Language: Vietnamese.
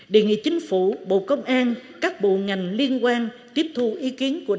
địa nghị chính phủ bộ công an các bộ ngành liên quan